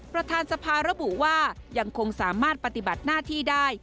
ประธานสภาระบุว่ายังคงสามารถปฏิบัติหน้าที่ได้